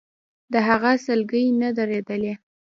د هغه سلګۍ نه درېدلې.